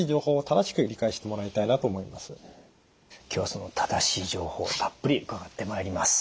今日はその正しい情報たっぷり伺ってまいります。